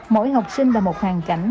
mỗi học sinh là một hoàn cảnh